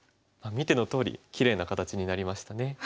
見てのとおりきれいな形になりましたね。